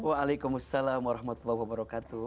waalaikumsalam warahmatullahi wabarakatuh